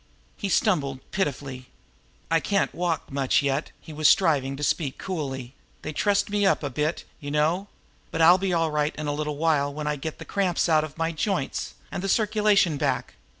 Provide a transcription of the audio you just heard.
He stumbled pitifully. "I can't walk much yet." He was striving to speak coolly. "They trussed me up a bit, you know but I'll be all right in a little while when I get the cramps out of my joints and the circulation back.